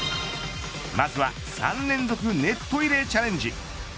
まずは３連続ネット入れチャレンジ。